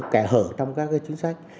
kẻ hở trong các chính sách